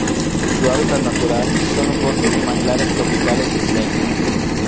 Su hábitat natural son los bosques y manglares tropicales isleños.